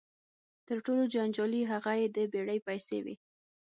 تر ټولو جنجالي هغه یې د بېړۍ پیسې وې.